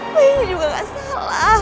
bayinya juga nggak salah